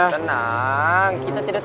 tenang kita tidur telat